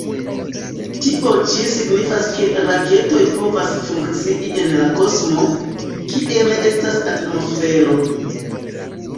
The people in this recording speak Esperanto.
Tio ĉi signifas ke raketoj povas funkcii en la kosmo, kie ne estas atmosfero.